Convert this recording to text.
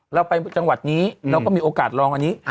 เราไปจังหวัดนี้เราก็มีโอกาสลองอันนี้